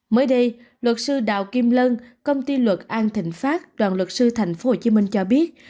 mới đây luật sư đào kim lân công ty luật an thịnh pháp đoàn luật sư tp hcm cho biết